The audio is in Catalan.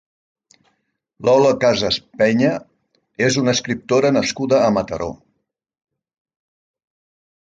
Lola Casas Peña és una escriptora nascuda a Mataró.